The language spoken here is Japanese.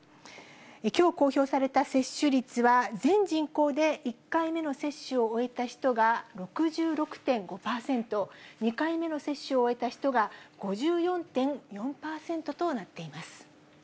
きょう公表された接種率は、全人口で１回目の接種を終えた人が６６．５％、２回目の接種を終えた人が５４．４％となっています。